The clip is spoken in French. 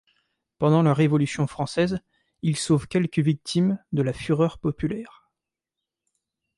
Pendant la Révolution française, il sauve quelques victimes de la fureur populaire.